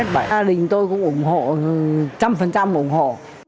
bản gia đình tôi cũng ủng hộ một trăm linh ủng hộ